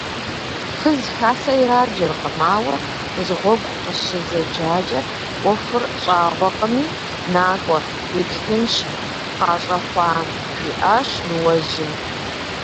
Фыз хасэ ираджэркъым, ауэ мызыгъуэгу къыщызэджакӀэ, Ӏуэхур щӀагъуэкъыми, накӀуэ, деплъынщ къащӀэхъуам, – жиӏащ ныуэжьым.